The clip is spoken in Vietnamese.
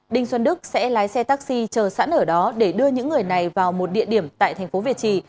đinh xuân đức sẽ lái xe taxi chờ sẵn ở đó để đưa những người này vào một địa điểm tại thành phố việt trì